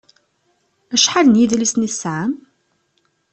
Acḥal n yedlisen i tesɛam?